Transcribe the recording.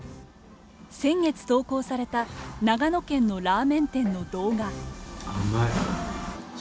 先月投稿された長野県のラーメン店の動画。